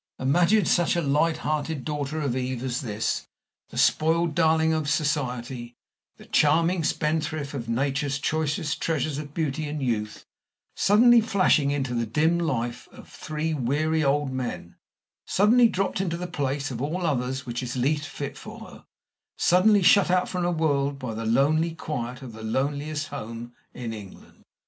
Imagine such a light hearted daughter of Eve as this, the spoiled darling of society, the charming spendthrift of Nature's choicest treasures of beauty and youth, suddenly flashing into the dim life of three weary old men suddenly dropped into the place, of all others, which is least fit for her suddenly shut out from the world in the lonely quiet of the loneliest home in England.